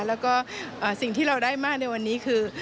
แล้วก็สิ่งที่เราได้มากในวันนี้คือ